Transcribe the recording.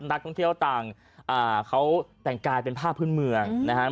นักท่องเที่ยวต่างเขาแต่งกายเป็นผ้าพื้นเมืองนะครับ